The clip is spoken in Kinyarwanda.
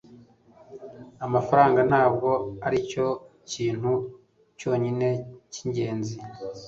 amafaranga ntabwo aricyo kintu cyonyine cyingenzi